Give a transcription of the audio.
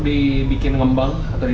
di jejak setiap tempi